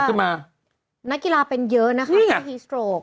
นี่เขาบอกว่านักกีฬาเป็นเยอะนะครับที่สโตรก